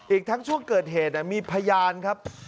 อีกทั้งช่วงเกิดเหตุมีพยานครับ